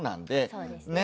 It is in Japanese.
そうですね。